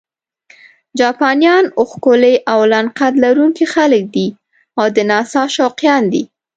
جاپانیان ښکلي او لنډ قد لرونکي خلک دي او د نڅا شوقیان دي.